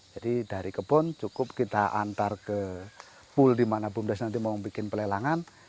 jadi dari kebun cukup kita antar ke pool di mana bumdes nanti mau bikin pelelangan